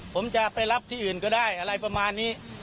ผมจะไปรับที่อื่นก็ได้อะไรประมาณนี้